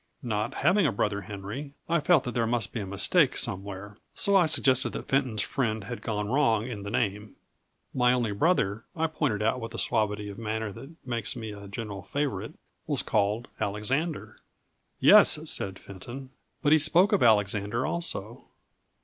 Not having a brother Henry, I felt that there must be a mistake somewhere; so I suggested that Fenton's friend had gone wrong in the name. My only brother, I pointed out with the suavity of manner that makes me a general favourite, was called Alexander. "Yes," said Fenton, "but he spoke of Alexander also."